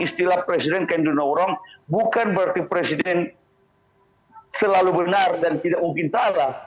istilah presiden can do no wrong bukan berarti presiden selalu benar dan tidak mungkin salah